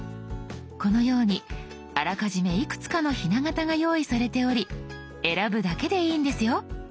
このようにあらかじめいくつかのひな型が用意されており選ぶだけでいいんですよ。